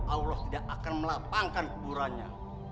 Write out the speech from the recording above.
allah tidak akan melapangkan kuburannya